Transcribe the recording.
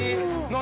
何？